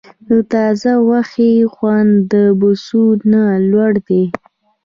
د تازه غوښې خوند د بوسو نه لوړ دی.